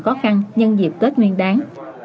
khó khăn nhân dịp tết nguyên đáng